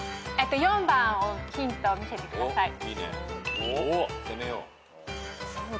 ４番をヒント見せてください。